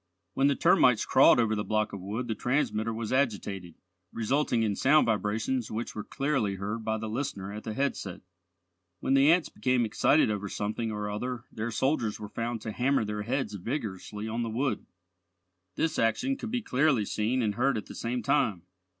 When the termites crawled over the block of wood the transmitter was agitated, resulting in sound vibrations which were clearly heard by the listener at the headset. When the ants became excited over something or other their soldiers were found to hammer their heads vigorously on the wood. This action could be clearly seen and heard at the same time.